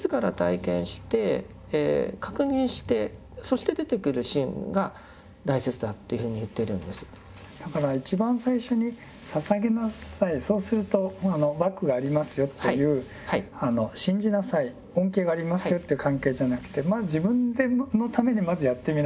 それに対してだから一番最初に捧げなさいそうするとバックがありますよという信じなさい恩恵がありますよという関係じゃなくて自分のためにまずやってみなさい。